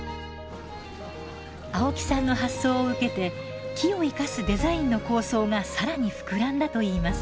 青木さんの発想を受けて木を生かすデザインの構想が更に膨らんだといいます。